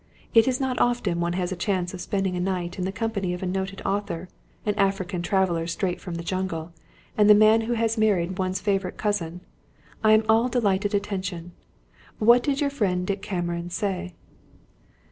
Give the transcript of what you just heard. It is not often one has the chance of spending a night in the company of a noted author, an African traveller straight from the jungle, and the man who has married one's favourite cousin. I am all delighted attention. What did your friend Dick Cameron say?"